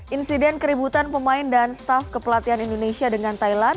insiden keributan pemain dan staff kepelatihan indonesia dengan thailand